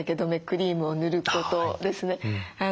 クリームを塗ることですね。